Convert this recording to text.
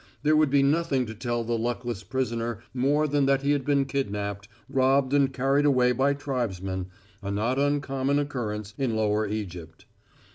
There would be nothing to tell the luckless prisoner more than that he had been kidnaped, robbed and carried away by tribesmen a not uncommon occurrence in lower Egypt.